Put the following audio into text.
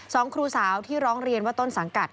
ครูสาวที่ร้องเรียนว่าต้นสังกัด